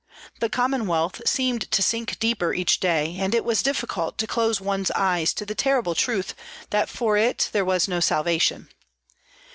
The Commonwealth seemed to sink deeper each day, and it was difficult to close one's eyes to the terrible truth that for it there was no salvation.